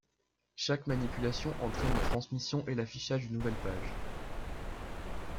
Chaque manipulation entraîne la transmission et l'affichage d'une nouvelle page.